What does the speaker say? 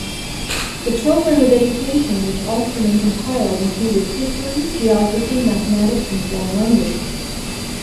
The program of education which Ostermann compiled included history, geography, mathematics, and foreign languages.